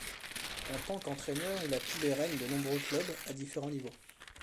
En tant qu'entraîneur, il a pris les rênes de nombreux clubs à différents niveaux.